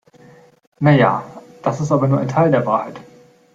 Na ja, das ist aber nur ein Teil der Wahrheit.